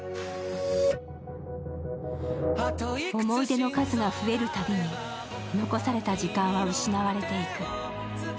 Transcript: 思い出の数が増えるたびに残された時間は失われていく。